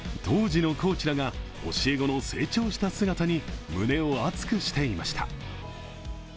当時のコーチらが教え子の成長した姿に胸を熱くしていました。